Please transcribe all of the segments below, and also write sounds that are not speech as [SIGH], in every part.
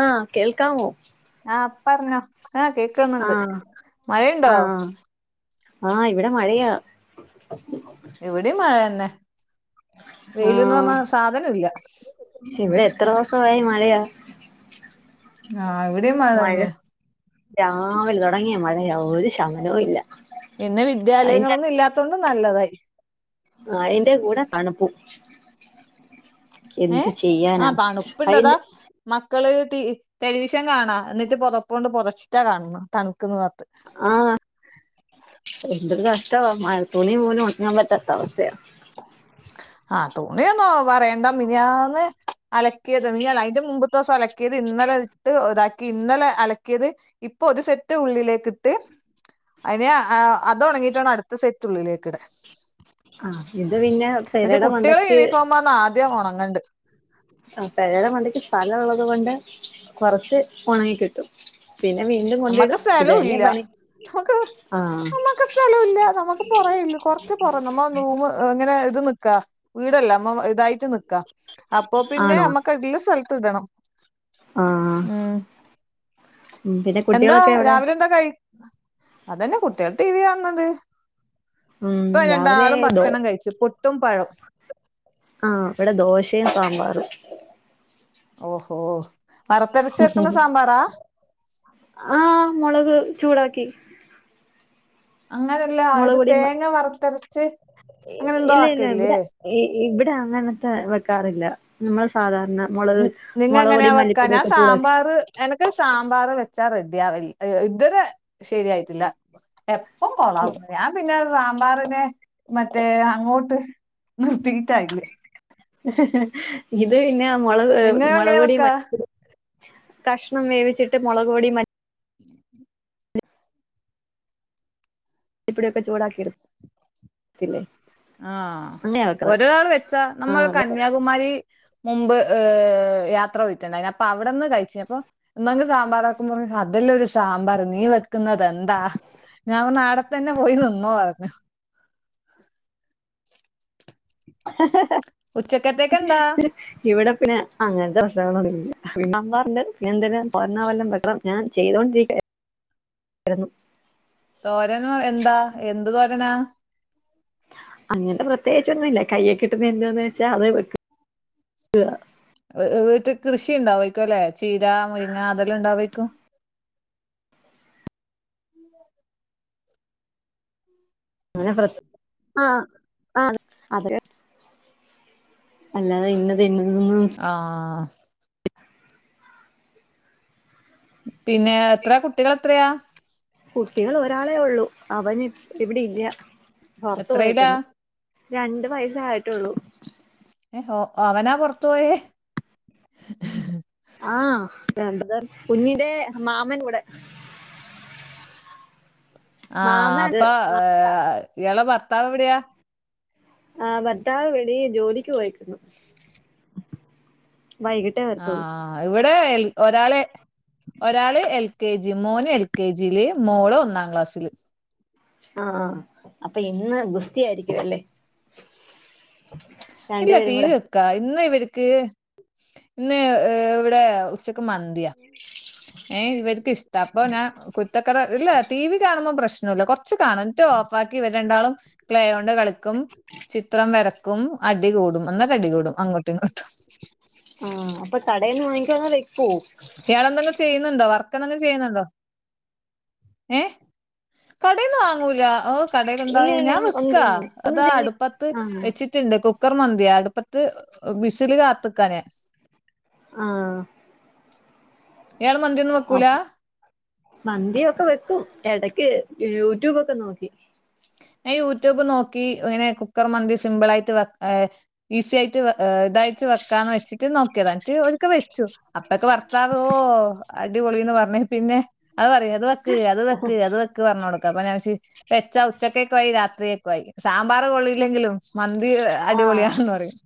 ആഹ കേൾക്കവോ ആഹ പറഞ്ഞോ ആഹ കേക്കുന്നുണ്ട് ആഹ് മഴയുണ്ടോ ആഹ് ആഹ് ഇവിടെ മഴയാ ഇവിടെയും മഴന്നെ വെയിലൊന്ന് ആഹ് പറഞ്ഞാ സാധനം ഇല്ല ഇവിടെ എത്ര ദിവസായി മഴയാ ആഹ ഇവിടെ മഴ തന്നെ രാവിലെ തുടങ്ങിയ മഴയാ ഒരു ശമനവും ഇല്ല ഇന്ന് അതിന്റെ വിദ്യാലയങ്ങളൊന്നും ഇല്ലാത്ത കൊണ്ട് നല്ലതായി അയ്ന്റെ കൂടെ തണുപ്പൂ എന്ത് ഏഹ് ചെയ്യാനാ ആഹ് അതിന് തണുപ്പുണ്ടതാ മക്കള് ടെലിവിഷൻ കാണാ എന്നിട്ട് പുതപ്പൊണ്ട് പുതച്ചിട്ടാ കാണണം തണുക്കുന്നുന്ന് പറഞ്ഞിട്ട് ആഹ് എന്തൊരു കഷ്ട്ടാ മഴ തുണി പോലും ഉണങാൻ പറ്റാത്ത അവസ്ഥയാ ആഹ് തുണിയൊന്നും പറയണ്ട മിനിഞ്ഞാന്ന് അലക്കിയത് അതിന്റെ മുമ്പത്തെ ദിവസം അലക്കിയത് ഇന്നലെ ഇട്ട് ഇതാക്കി ഇന്നലെ അലക്കിയത് ഇപ്പൊ ഒരു സെറ്റ് ഉള്ളിലേക്കിട്ട് അത് ഉണങ്ങിയിട്ട് വേണം അടുത്ത സെറ്റുള്ളിലേക്ക് ഇടാൻ ആഹ് ഇത് പിന്നെ പെരയുടെ മണ്ടയ്ക്ക് ന്റെ കണങ്ങണ്ട് ആ പേരെടെ മണ്ടക്ക് സ്ഥലമുള്ളത് കൊണ്ട് കുറച്ച് ഉണങ്ങി കിട്ടും പിന്നെ വീണ്ടും കൊണ്ടിടും അമ്മക്ക് ഇത് സ്ഥലും തന്നെ ഇല്ല പണി ആഹ് മ്മക്ക് സ്ഥലമില്ല നമുക്ക് പുറയില്ല കുറച്ച് പുറേ നമ്മുക്ക് നൂമ്ങ്ങനെ ഇത് നിക്കാ വീടല്ല അതെ ഇതായിട്ട് നിക്കാ അപ്പൊ പിന്നെ ആണോ നമ്മക്ക് ഇള്ള സ്ഥലത്ത് ഇടണം ആഹ് ഉം ഉം പിന്നെ എന്താ കുട്ടികളൊക്കെ എവിടെ രാവിലെ എന്താ കഴിഅതെന്നെ കുട്ടികൾ ടിവി കാണുന്നുണ്ട് ഉം ഇപ്പ രാവിലെ രണ്ടാളും ദോ ഭക്ഷണം കഴിച്ചു പുട്ടും പഴും ആഹ് ഇവിടെ ദോശേം സാമ്പാറും ഓഹോ വറത്തരച്ച് വെക്കുന്ന സാമ്പാറാ? ആഹ് മുളക് ചൂടാക്കി അങ്ങനെയല്ല മുളക് ഒരു പൊടി തേങ്ങ വറത്തരച്ച് അങ്ങനെ എന്തോ ഇല്ല ഇല്ല ആക്കില്ലേ ഇവിടെ ഇവിടെ അങ്ങനത്തെ വെക്കാറില്ല നമ്മൾ സാധാരണ മുളക് നിങ്ങ മുളക് പൊടി എങ്ങനെയാ വെക്കാന മല്ലിപ്പൊടി ഞാൻ ഒക്കെ ചൂടാക്കി സാമ്പാർ എനക്ക് സാമ്പാർ വെച്ചാ റെഡി ആവില്ല ഇതൊരു ശരിയായിട്ടില്ല ഉപ്പും കോളവൂല പിന്നെ സാമ്പാറിനെ മറ്റേ അങ്ങോട്ട് ഇത് പിന്നെ നമ്മള് നിങ്ങ മുളക് എങ്ങനെ പൊടി വെക്കാ മല്ലിപൊടി കഷ്ണം വേവിച്ചിട്ട് മുളക് പൊടി മല്ലി ഉ [INAUDIBLE] പൊടിയൊക്കെ ചൂടാക്കി ഇടത്തില്ലേ ആഹ് ഒരു തവണ വെച്ച നമ്മൾ ആഹ് ഇവിടെ കന്യാകുമാരി മുമ്പ് ആഹ് യാത്ര പോയിട്ടുണ്ടായിരുന്നു അപ്പൊ അവിടെന്ന് കഴിച്ചു അപ്പൊ എന്നങ്ക സാമ്പാർ വെയ്ക്കുബോ പറഞ്ഞ അതെല്ലാം ഒരു സാമ്പാർ നീ വെക്കുന്നത് എന്താ? ഞാൻ പറഞ്ഞു അതെന്നെ പോയി നിന്നോ പറഞ്ഞു ആഹ് ഉച്ചക്കത്തെക്കെന്താ? ഇവിടെ പിന്നെ അങ്ങനത്തെ പ്രശ്നങ്ങളൊന്നും ഇല്ല [UNINTELLIGIBLE] ഞാൻ ചെയ്തൊണ്ടിരിക്കായിരുന്നു തോരനു എന്ത എന്ത് തോരനാ? അങ്ങനെ പ്രത്യേകിച്ചൊന്നുമില്ല കൈയിൽ കിട്ടുന്ന എന്താന്ന് വെച്ചാൽ അത് വെക്ക വീട്ടൽ കൃഷി ഉണ്ടാരിക്കും അല്ലേ ചീര മുരിങ്ങ അതെല്ലാം ഉണ്ടാവേക്കും അങ്ങനെ ആഹ് ആഹ് അല്ലാതെ ഇന്നെ തിന്നു ആഹ് പിന്നെ എത്ര കുട്ടികൾ എത്രയാ കുട്ടികൾ ഒരാളെ ഉള്ളൂ അവന് ഇവിടെ ഇല്ല പുറത്തു എത്രയിലാ പോയെക്കുന്നു രണ്ട് വയസ് ആയിട്ടേയൊള്ളൂ ഏഹ് അവനാ പൊറത്തു പോയേ? ആഹ് കുഞ്ഞിന്റെ മാമൻ കൂടെ മാമൻ ആഹ് അത് അപ്പൊ ഇയാളുടെ ഭർത്താവ് എവിടെയാ ആ ഭർത്താവ് വെളിയില് ജോലിക്ക് പോയിക്കുന്നു വൈകിട്ട് ആഹ് ഇവിടെ ഒരാളെ ഒരാള് എൽ കെ ജി മോന് എൽ കെ ജിയില് മോള് ഒന്നാം ക്ലാസ്സില് ആഹ അപ്പൊ ഇന്ന് ഗുസ്തിയായിരിക്കും അല്ലേ ഇല്ല രണ്ടുപേരും ടിവി കൂടെ വെക്കാ ഇന്ന് ഇവർക്ക് ഇന്ന് ഏവിടെ ഉച്ചക്ക് മന്തിയ ഏയ് ഇവർക്ക് ഇഷ്ട അപ്പൊ ഞാൻ കുര്ത്തക്കേട ഇല്ല ടി വി കാണുമ്പോം പ്രശ്നില്ല റച്ച് കാണും ഇന്നട്ട് ഓഫാക്കി ഇവര് രണ്ടാളും ക്ലേ കൊണ്ട് കളിക്കും ചിത്രം വരക്കും ക്കും അടികൂടും നന്നായിട്ട് അടികൂടും അങ്ങോട്ടും ഇങ്ങോട്ടും ആ അപ്പൊ കടേന്ന് വാങ്ങിക്കോ അതോ വെക്കോ ഇയാളെന്തെങ്കിലും ചെയ്യുന്നുണ്ടോ വർക്ക് എന്തെങ്കിലും ചെയ്യുന്നുണ്ടോ ഏഹ് കടേന്ന് വാങ്ങൂല ഓ ഇല്ല കടേൽണ്ടാവ ഇല്ല ഞാൻ ഒന്നും വെക്കാ ചെയ്യുന്നില്ല അതാ അടുപ്പത്ത് ആ വെച്ചിട്ട് ണ്ട് കുക്കർ മന്തിയാ അടുപ്പത്ത് വിസില് കാത്ത്ക്കാ ഞാൻ ആഹ് ഇയാള് മന്തി ഒന്നും വെക്കൂല അപ്പൊ മന്തിയൊക്കെ വെക്കും ഇടക്ക് യൂട്യൂബൊക്കെ നോക്കി ഞാൻ യൂട്യൂബ് നോക്കി ഇങ്ങനെ കുക്കർ മന്തി സിമ്പിൾ ആയിട്ട് വെക്ക ഈസി ആയി ഇതായിട്ടു വെക്കാൻ വെച്ചിട്ട് നോക്കിയത ഇന്നട്ട് ഒരിക്കൽ വെച്ചു അപ്പക്കെ ഭർത്താവ് ഓ അ അടിപൊളിന്ന് പറഞ്ഞ് പിന്നെ അത് പറയും അത് വെക്ക് അത് വെക്ക് അത് വെ പറഞ്ഞുകൊടുക്കും അപ്പോ ഞാൻ വിചാരിച്ച് വെച്ച് ഉച്ചക്കൊക്ക ആയി രാത്രിയെക്ക ആയി സാമ്പാർ കൊളിയില്ലെങ്കിലും മന്തി അടിപൊളിയാണെന്ന് പറയും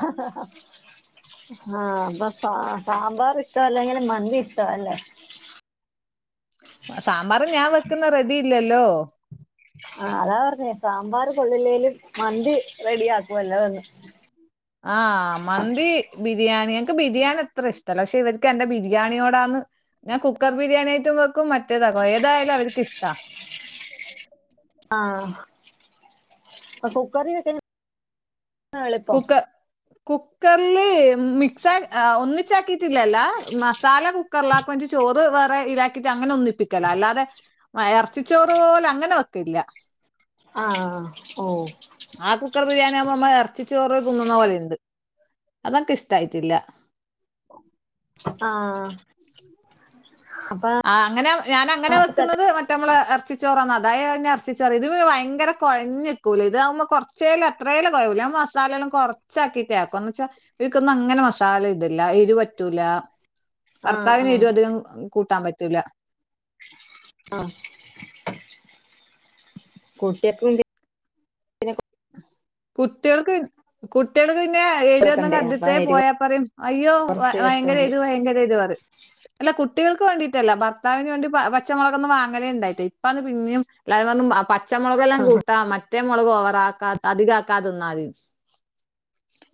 ഹ ഹ ആഹ് [UNINTELLIGIBLE] ആ സാമ്പാർ ഇഷ്ടമല്ലെങ്കിലും മന്തി ഇഷ്ടമ അല്ലേ സാമ്പാർ ഞാൻ വെക്കുന്ന റെഡിയില്ലല്ലോ ആ അതാ പറഞ്ഞെ സാമ്പാറ് കൊള്ളില്ലേലും മന്തി റെഡിയാക്കുവല്ലോ എന്ന്. ആ മന്തി ബിരിയാണി എനിക്ക് ബിരിയാണി അത്ര ഇഷ്ടല്ല പക്ഷെ ഇവർക്ക് എൻ്റെ ബിരിയാണിയോടാന്ന് ഞാൻ കുക്കർ ബിരിയാണി ആയിട്ടും വെക്കും മറ്റേതാക്കോ ഏതായാലും അരിക്കിഷ്ട ആഹ് കുക്കർക്ക [UNINTELLIGIBLE] കുക്ക കുക്കർല് മിക്സ് ആഡ് ഒന്നി [UNINTELLIGIBLE] മസാല കുക്കറിലാക്കും ചോറ് വേറെ ഈലാക്കിയിട്ട് അങ്ങനെ ഒന്നിപ്പിക്കല അല്ലാതെ [UNINTELLIGIBLE] ഇറച്ചിച്ചോറ് പോലെ അങ്ങനെ വെക്കലില്ല ആഹ് ഓ ആ കുക്കർ ബിരിയാണി ആകുമ്പോൾ ഉമ്മ ഇറച്ചി ചോറ് തിന്നുന്ന പോലെയുണ്ട് അതനക്ക് ഇഷ്ടായിട്ടില്ല ആഹ്. അപ്പൊ ആഹ് അങ്ങനെ ഞാൻ അങ്ങനെ ആഹ് വെക്കുന്നത് മ മറ്റ നമ്മളെ എറച്ചിച്ചോറന്ന്തായി ഇറച്ചിച്ചോറ് ഇത് ഭയങ്കര കുഴഞ്ഞക്കൂലെ ഇതാവുമ്പോൾ കുറച്ച് ചേല എത്രേല്ല [UNINTELLIGIBLE] മസാലെല്ലാം കൊറച്ചാക്കിട്ടേ ആക്കും എന്ന് വച്ചാ ഇതിക്കൊന്നും അങ്ങനെ മസാല ഇടില്ല എരു പറ്റൂല ഭർത്താവിന് ആഹ് എരു അധികം കൂട്ടാൻ പറ്റൂല ആഹ് കൂട്ടിയക്കു കുട്ടിയൾക്ക് കുട്ടികൾക്ക് പിന്നെ എരു കൊടുക്കണ്ടേ അപ്പൊ [UNINTELLIGIBLE] എരിവ് പോയാ പറയും അയ്യോ കുറച്ച് വെച്ചാ ഭയങ്കര മതി എരു ഭയങ്കര എരു പറയും [INAUDIBLE] അല്ല കുട്ടികൾക്ക് വേണ്ടിട്ടല്ല ഭർത്താവിന് വേണ്ടി പച്ചമുളക് ഒന്നും വാങ്ങലേ ഉണ്ടായിട്ട് ഇപ്പത് പിന്നും [UNINTELLIGIBLE] പച്ചമുളകെല്ലാം ആഹ് കൂട്ടാം മറ്റേ മുളക് ഓവറാക്കാ അധികാക്കാതെ നിന്നാ മതി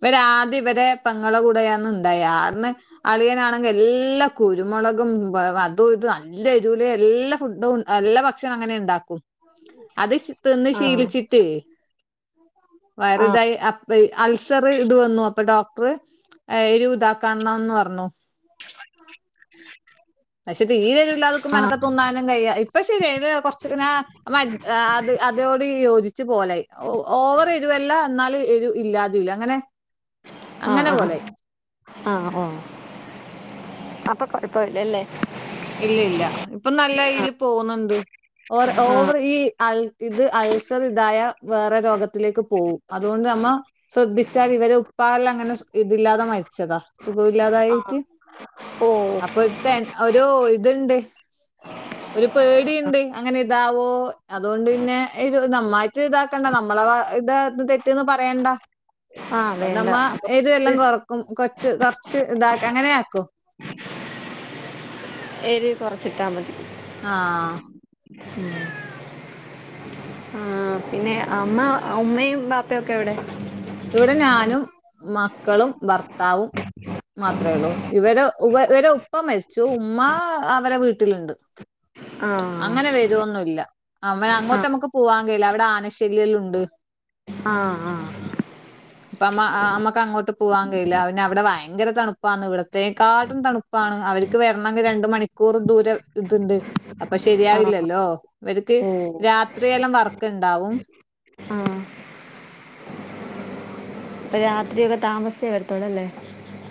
ഇവരെ ആദ്യം ഇവരെ പെങ്ങളെ കൂടെയാന്നുണ്ടായി ആട്ന്ന് അളിയനാണെങ്കിൽ എല്ലാ കുരുമുളകും അതും ഇതും നല്ല എരൂല് എല്ലാ ഫുഡും നല്ല ഭക്ഷണം അങ്ങനെ ഇണ്ടാക്കും അത് തിന്ന് ആഹ് ശീലിച്ചിട്ട് വയറ്തായി അ അൾസർ ഇത് വന്നു അപ്പൊ ഡോക്ടർ അയിലും ഇതാക്കണംന്ന് പറഞ്ഞു പക്ഷേ തീരൊ നിന്നു ആഹ് ടട്ടുംക്കുംനടക്കത്തൊന്നാ കയ്യാ ഇപ്പ ശരിയായി അത് കൊറച്ചൊക്കനാ അത് അതോട് യോജി ച്ച് പോലായി ഓവർ എരുവല്ല എന്നാല് എരു ഇല്ലാതൂല്ല അങ്ങനെ ആഹ് അങ്ങനെ ആഹ് പോലായി ആഹ് ആഹ് ഓ അപ്പൊ കൊഴപ്പല്ലല്ലേ? ഇല്ല ഇല്ല ഇപ്പൊ നല്ല ഇതിൽ പോവുന്നുണ്ട് ഓർ ആഹ് ഓവറ് ഈ അൾ ഇത് അൾസർ ഇതായ വേറെ രോഗത്തിലേക്ക് പോവും. അതുകൊണ്ട് നമ്മ ശ്രദ്ധിച്ചാൽ ഇവരെ ഉപ്പാല്ലാം അങ്ങനെ ഇതില്ലാതെ മരിച്ചതാ സുഖമില്ലാതായിട്ട് ഓ അപ്പൊത്ത ഒരു ഇതുണ്ട് ഒരു പേടീംണ്ട് അങ്ങനെ ഇതാവോ അതുകൊണ്ട് പിന്നെ ഇത് നമ്മായിട്ട ഇതാക്ക ക്കണ്ട നമ്മളെ ഭാഗ ഇത തെറ്റിന്ന് പറയണ്ട ആഹ് വേണ്ട ഒന്നമ്മ അപ്പൊ ഏത്വെല്ലാം കൊറ ക്കും കൊച്ച് കുറച്ച് ഇതാക്ക അങ്ങനെയാക്കും എരി കുറച്ചിട്ടാ മതി ആഹ് ഉം ആ പിന്നെ അമ്മ ഉമ്മയും ബാപ്പയൊക്കെ എവിടെ? ഇവിടെ ഞാനും മക്കളും ഭർത്താവും മാത്രേ ഉള്ളൂ ഇവരെ ഉവ ഇവരെ ഉപ്പ മരിച്ചു ഉമ്മ അവരെ വീട്ടിലുണ്ട്. ആഹ് അങ്ങനെ വരൊന്നുംല്ല അമേ അങ്ങോട്ട് ആഹ് നമുക്ക് പോവാൻ കഴിയില്ല അവിടെ ആനശല്യല്ലോംണ്ട് ആഹ് ആഹ് ഇപ്പ അമ്മ ആമ്മക്ക് അങ്ങോട്ട് പോവാൻ കഴിയില്ല പിന്നെ അവിടെ ഭയങ്കര തണുപ്പാന്ന് ഇവിടത്തെേക്കാട്ടും തണു പ്പാണ് അവർക്ക് വരണമെങ്കിൽ രണ്ട് മണിക്കൂർ ദൂരം ഇതുണ്ട് അപ്പൊ ആഹ് ശരിയാവില്ലല്ലോ ഇവർക്ക് ഓഹ് രാത്രിയെല്ലാം വർക്കുണ്ടാവും ആഹ് രാത്രിയൊക്കെ താമസിച്ചേ വരത്തൊള്ളൂ ല്ലേ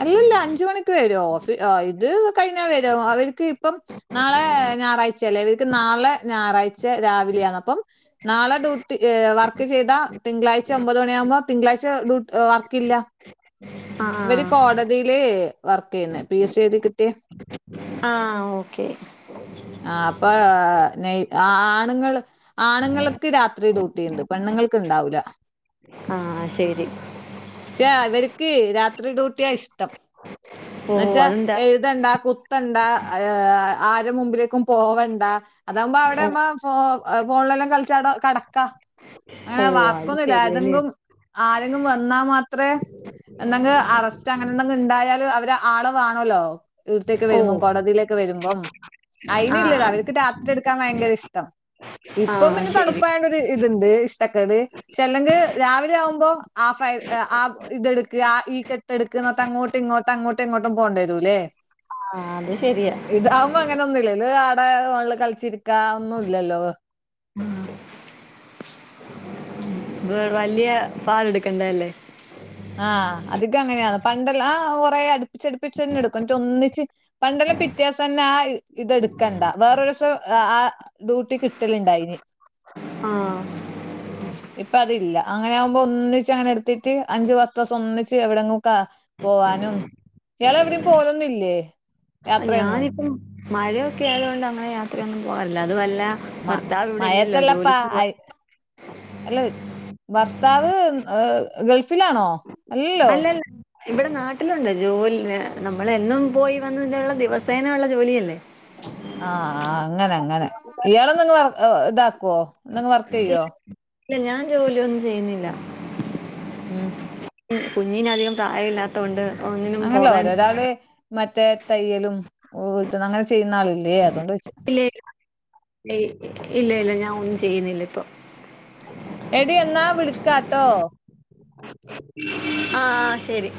അല്ല അഞ്ച് മണിക്ക് വരോ ഓഫീ ആഹ് ഇത് കഴിഞ്ഞാൽ വരും അവർക്ക് ഇപ്പം നാളെ ഞായറാഴ്ച ല്ലേ ഇവർക്ക് നാളെ ഞായറാഴ്ച്ച രാവിലെയാണ് അപ്പം നാളെ ഡ്യൂട്ടി ഏഹ് വർക്ക് ചെയ്താ തിങ്കളാഴ്ച ഒമ്പത് മണിയാകുമ്പോ തിങ്കളാഴ്ച ഡ്യൂ ഏഹ് വർക്കില്ല. ആഹ് ഇവര് ആഹ് കോടതിയില് വർക്ക് ചെയ്യുന്നേ പി എസ് സി എഴുതി കിട്ട്യേ ആഹ് ഓക്കെ ആ അപ്പൊ നെയ് അ ആണുങ്ങൾ ആണുങ്ങൾക്ക് രാത്രി ഡ്യൂട്ടി ഉണ്ട് പെണ്ണുങ്ങൾക്ക് ഉണ്ടാവൂല ആഹ് ശരി ശേ അവർക്ക് രാത്രി ഡ്യൂട്ടിയാ ഇഷ്ടം ഓഹ് എന്നുവച്ചാ അതെന്താ എഴു തണ്ടാ കുത്തണ്ടാ ഏഹ് ആരെ മുമ്പിലേക്കും പോവണ്ട അതാവുമ്പോ അവിടെ ഓഹ് നമ്മ ഫോ ഫോണിലെല്ലാം കളിച്ചാട കടക്കാ അങ്ങനെ ഓഹ് വാ അത് ക്കൊന്നൂല്ല ശരിയല്ലേ ഏതെങ്കും ആരെങ്കിലും വന്നാ മാത്രേ എന്തെങ്ക അറസ്റ്റ് അങ്ങനെന്തങ്കി ഇണ്ടായാലും അവര് ആളെ വാണല്ലോ ഇവിടത്തേക്ക് വരുമ്പോം ഓഹ് കോടതിയിലേക്ക് വരുമ്പം അയിന്ല്ലത് ആഹ് അവർക്ക് രാത്രി എടുക്കാൻ ഭയങ്കര ഇഷ്ടം ഇപ്പം ആഹ് പിന്നെ ശരി തണുപ്പായോണ്ടൊരു ഇത്ണ്ട് ഇഷ്ടക്കേട് ക്ഷെല്ലെങ്ക് രാവിലെ ആവുമ്പോ ആ ഫായി ആ ഇതെടുക്കാ ഈ കെട്ടെടുക്കുക എന്നിട്ടങ്ങോട്ട് ഇങ്ങോട്ട് അങ്ങോട്ട് ഇങ്ങോട്ടും പോണ്ടേരൂല്ലേ ആഹ് അത് ശെരിയ ഇതാവുമ്പങ്ങനൊന്നൂല്ലല്ലോ ഇതാടെ ഫൊൺള് കള്ച്ചിരിക്ക ഒന്നൂല്ലല്ലോ വല്യെ പാള്ട്ക്കണ്ടതല്ലേ ആഹ് അതികങ്ങന്യാന്ന് പണ്ടെല്ലാങ് കൊറേ അട്പ്പിച്ചട്പ്പിച്ചെന്നെട്ക്കും ഇന്നട്ട് ഒന്നിച്ച് പണ്ടെല്ലം പിറ്റ്യെവ്സംതന്നെ ആ ഇതെട്ക്കണ്ടാ വേറൊരുസം ആ ഡ്യൂട്ടി കിട്ടല്ണ്ടായിന് ആഹ് ഇപ്പതില്ല അങ്ങനെയാവുമ്പൊന്നിച്ചങ്ങനെട്ത്തിറ്റ് അഞ്ചു പത്തൂസം ഒന്നിച്ച് എവിടെങ്ങൊക്ക പോവാനും ഇയാളെവിടിം പോവലൊന്നില്ലേ ഞാനിപ്പം മഴയൊക്കെയായതു കൊണ്ട് അങ്ങനെ യാത്രയൊന്നും പോവാറില്ല അത് വല്ലാ മഴ മയത്തല്ലപ്പാ അയ് അല്ല ഭർത്താവ് ഗൾഫിലാണോ അല്ലല്ലോ അല്ലല്ല ഇവിടെ നാട്ടിലുണ്ട് ജോലി നമ്മള് എന്നും പോയി വന്നിറ്റുള്ള ദിവസേന ഒള്ള ജോലിയില്ലേ ആഹ് അങ്ങനങ്ങനെ ഇയാളന്തെങ്കും വർ ഇതാക്ക്വൊ ന്തെങ്കും വർക്കെയ്യ്വോ ഇല്ല ഞാൻ ജോലിയൊന്നും ചെയ്യ്ന്നില്ല ഉം കുഞ്ഞിനധികം പ്രായവില്ലാത്തൊണ്ട് ഒന്നിനും അങ്ങനല്ല പോകാൻ ഓരോരാള് മറ്റേ തയ്യലും [UNINTELLIGIBLE] അങ്ങനെ ചെയ്യ്ന്ന ആളില്ലേ അതൊണ്ടോയ്ച്ചെ ഇല്ലയില്ല ഇല്ലയില്ല ഞാൻ ഒന്നും ചെയ്യ്ന്നില്ല ഇപ്പം എടി എന്നാ വിളിക്കാട്ടോ ആഹ് ശരി